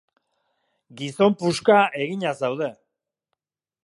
Gizon puska egina zaude.